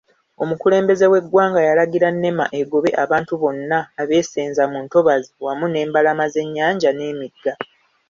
Omukulembeze w'eggwanga yalagira Nema egobe abantu bonna abeesenzezza mu ntobazi wamu n'embalama z'ennyanja n'emigga.